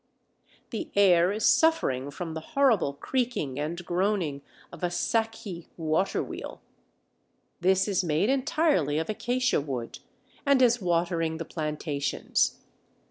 The air is suffering from the horrible creaking and groaning of a "sakkieh" water wheel. This is made entirely of acacia wood, and is watering the plantations.